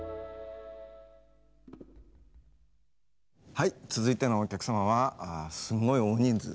はい続いてのお客様はすごい大人数ですにぎやか。